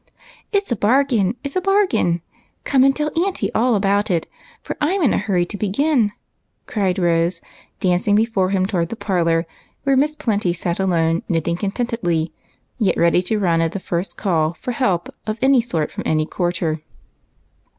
" It 's a bargain ! it 's a bargain ! Come and tell aunty all about it, for I'm in a hurry to begin," cried Rose, dancing before him toward the parlor, where Miss Plenty sat alone knitting contentedly, yet ready to run at the first call for help of any sort, from any quarter.